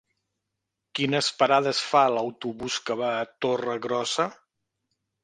Quines parades fa l'autobús que va a Torregrossa?